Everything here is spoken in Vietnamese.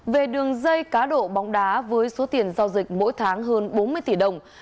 về đường dây cá độ bóng đá với số tiền giao dịch mỗi tháng hơn bốn mươi tỷ đồng